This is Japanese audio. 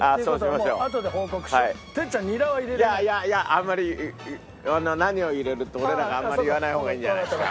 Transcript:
あんまり何を入れるって俺らがあんまり言わない方がいいんじゃないですか？